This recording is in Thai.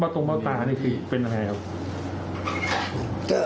แล้วตรงเบาะตานี่เป็นยังไงครับ